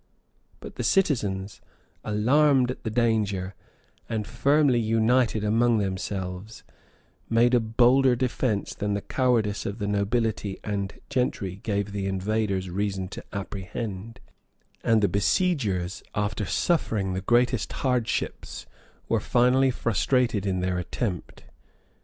But the citizens, alarmed at the danger, and firmly united among themselves, made a bolder defence than the cowardice of the nobility and gentry gave the invaders reason to apprehend; and the besiegers, after suffering the greatest hardships, were finally frustrated in their attempt.